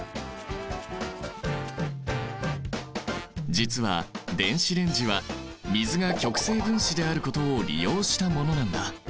実は電子レンジは水が極性分子であることを利用したものなんだ。